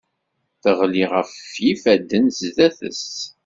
Teɣli ɣef yifadden zzat-s.